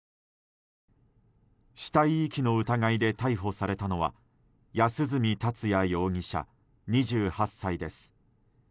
死体遺棄の疑いで逮捕されたのは安栖達也容疑者、２８歳です。